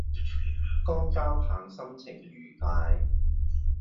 江交棒心情愉快